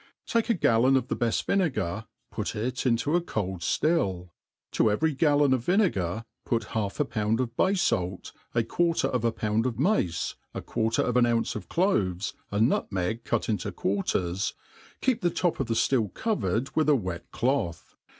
TAKE a |;a)ion of the beft vinegar, put it into a cdd ftill : to every gallon of vinegar put half a pound of bay fait, a quar ter of a pound of mace, a quarter of an ounce of cloves, a nut* meg cut into quarters, keep the top of the ftill covered with a wet doth.